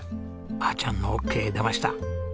あーちゃんのオッケー出ました。